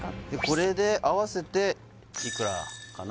これで合わせていくらかな